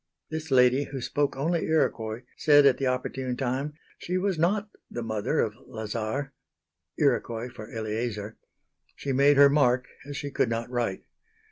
This lady, who spoke only Iroquois, said at the opportune time she was not the mother of Lazar (Iroquois for Eleazar). She made her mark as she could not write.